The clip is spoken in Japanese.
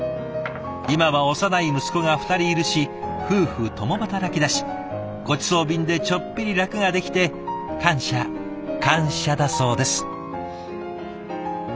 今は幼い息子が２人いるし夫婦共働きだしごちそう便でちょっぴり楽ができて感謝感謝だそうです。